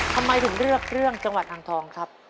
ทำไมถึงเลือกเรื่องจังหวัดอ่างทองครับ